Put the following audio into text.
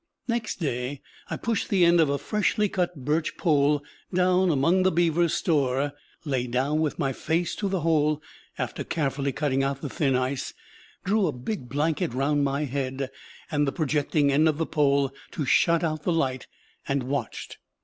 Next day I pushed the end of a freshly cut birch pole down among the beavers' store, lay down with my face to the hole after carefully cutting out the thin ice, drew a big blanket round my head and the projecting end of the pole to shut out the light, and watched.